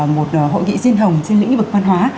một hội nghị riêng hồng trên lĩnh vực văn hóa